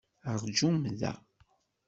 Rǧum da!